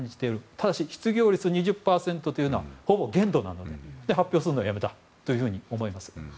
ただし失業率２０％というのはほぼ限度なので発表するのをやめたんだと思います。